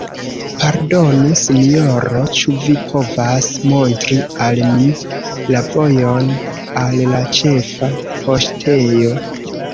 Pardonu, Sinjoro, ĉu vi povas montri al mi la vojon al la ĉefa poŝtejo?